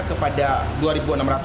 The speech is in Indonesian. ke pak menteri komunikasi info